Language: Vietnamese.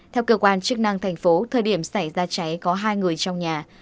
theo cơ quan chức năng thành phố thời điểm xảy ra cháy có hai người trong nhà